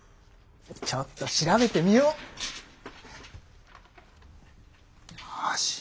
ちょっと調べてみよっ。